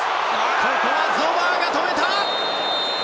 ここはゾマーが止めた！